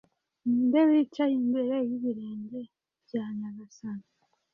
Ninde wicaye imbere yibirenge bya nyagasani